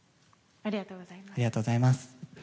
ありがとうございます。